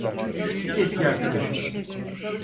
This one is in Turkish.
Biz eski arkadaşız.